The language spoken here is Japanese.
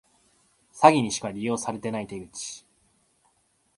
詐欺にしか利用されてない手口